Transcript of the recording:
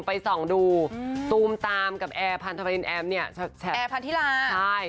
ไปสองดูตูมตามกับแอร์พันธาสเจริญแอปเนี่ย